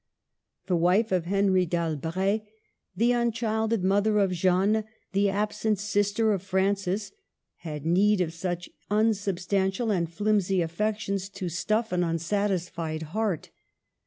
The wife of Henry d'Albret, the unchilded mother of Jeanne, the absent sister of Francis, had need of such unsubstantial and flimsy affec tions to stuff an unsatisfied heart.